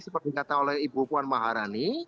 yang dikatakan oleh ibu puan maharani